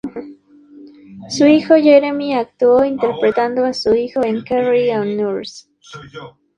Su hijo Jeremy actuó interpretando a su hijo en "Carry On Nurse".